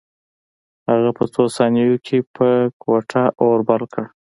هغه په څو ثانیو کې په کوټه اور بل کړ